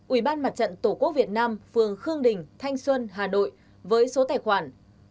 ủy ban mặt trận tổ quốc việt nam phường khương đình tp hà nội với số tài khoản